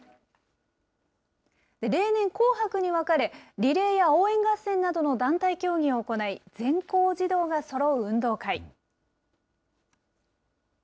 例年、紅白に分かれ、リレーや応援合戦などの団体競技を行い、全校児童がそろう運動会。